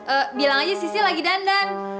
eh bilang aja sisi lagi dandan